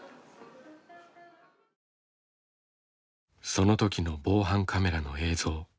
その時の防犯カメラの映像。